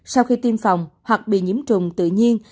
sau khi tiêm phòng hoặc bị nhiễm trùng tự nhiên